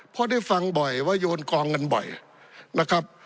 เพราะได้ฟังบ่อยว่าโยนกองกันบ่อยนะครับ